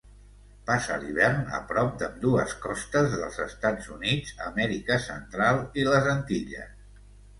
Passa l'hivern a prop d'ambdues costes dels Estats Units, Amèrica Central i les Antilles.